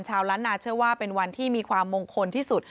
ชาวล้านนาเชื่อว่าเป็นวันที่มีความมงคลที่สุด